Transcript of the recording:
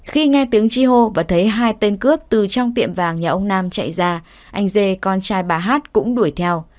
khi nghe tiếng chi hô và thấy hai tên cướp từ trong tiệm vàng nhà ông nam chạy ra anh dê con trai bà hát cũng đuổi theo